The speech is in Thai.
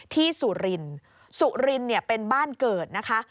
ที่สุรินสุรินเป็นบ้านเกิดนะคะ